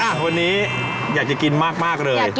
วันนี้อยากจะกินมากเลย